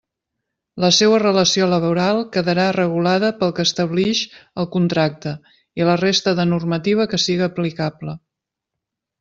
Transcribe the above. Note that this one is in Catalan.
La seua relació laboral quedarà regulada pel que establix el contracte i la resta de normativa que siga aplicable.